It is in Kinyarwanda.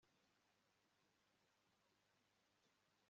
maheru iyo umfashije tukorora neza amatungo tubyiruye